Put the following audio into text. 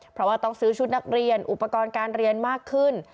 เพราะว่าต้องซื้อชุดนักเรียนอุปกรณ์การเรียนมากขึ้น